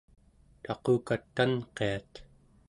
taqukat tanqiat